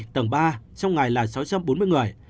tầng ba trong ngày là sáu trăm bốn mươi người